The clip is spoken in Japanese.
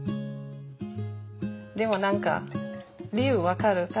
でも何か理由分かる。